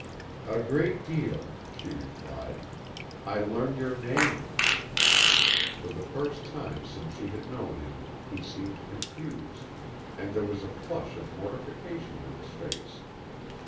"A great deal," she replied. "I learned your name." For the first time since she had known him he seemed confused, and there was a flush of mortification in his face.